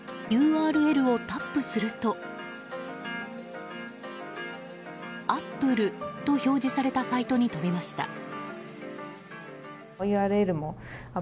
ＵＲＬをタップするとアップルと表示されたサイトに飛びました。